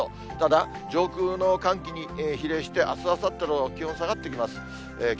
ただ上空の寒気に比例してあす、あさっての気温、下がってきます。